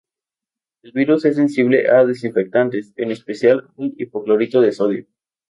El virus es sensible a desinfectantes, en especial al hipoclorito de sodio.